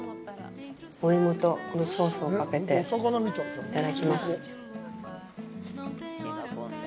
お芋と、このソースをかけていただきます。